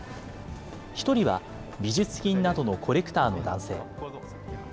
１人は美術品などのコレクターの男性。